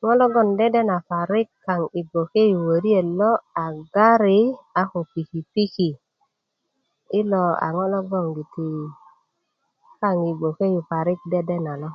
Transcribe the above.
ŋo logon dedena parik kaŋ i bgoke yu wöriet lo a gari a ko piki piki ilo ŋo logongiti kaŋ yi bgoke yu dedena lo